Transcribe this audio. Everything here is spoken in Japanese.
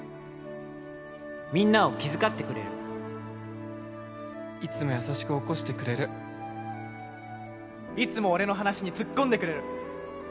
「みんなを気遣ってくれる」「いつも優しく起こしてくれる」「いつも俺の話につっこんでくれる」